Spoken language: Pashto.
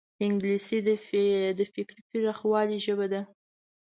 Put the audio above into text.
انګلیسي د فکري پراخوالي ژبه ده